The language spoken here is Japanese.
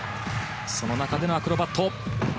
その中でアクロバット。